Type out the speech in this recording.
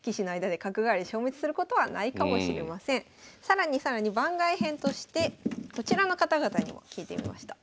更に更に番外編としてこちらの方々にも聞いてみました。